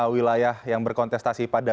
wilayah yang berkontestasi pada